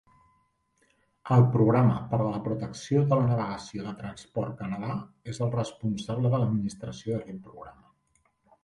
El programa per a la protecció de la navegació de Transport Canada és el responsable de l'administració d'aquest programa.